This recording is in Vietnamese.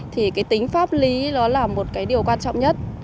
thì cái tính pháp lý đó là một cái điều quan trọng nhất